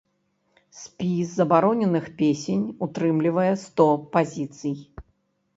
Спіс забароненых песень утрымлівае сто пазіцый.